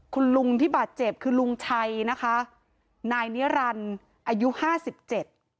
คุณลุงที่บาดเจ็บคือลุงชัยนะคะนายนิรันดิ์อายุห้าสิบเจ็ด